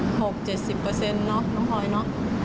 ๖๗๐เนอะน้องพลอยเนอะ